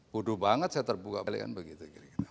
bodoh banget saya terbuka balik kan begitu